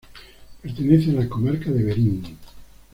Pertenece a la comarca de Verín.